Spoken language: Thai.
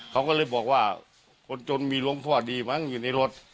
เขาก็เลยบอกว่าคนจนมีหลวงพ่อดีมั้งอยู่ในรถ